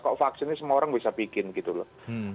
kok vaksinnya semua orang bisa bikin gitu loh